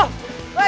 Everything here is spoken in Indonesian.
jangan kabur lu